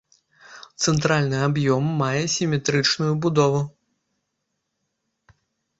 Цэнтральны аб'ём мае сіметрычную будову.